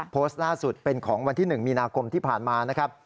โพสต์ล่าสุดเป็นของวันที่๑มีนาคมที่ผ่านมานะครับ